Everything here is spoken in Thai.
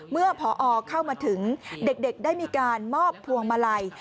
เมื่อพอเข้ามาถึงเด็กได้มีการมอบพวงมาลัย